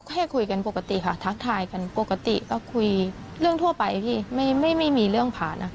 แค่คุยกันปกติค่ะทักทายกันปกติก็คุยเรื่องทั่วไปพี่ไม่มีเรื่องผ่าน